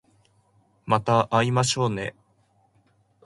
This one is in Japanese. また会いましょうね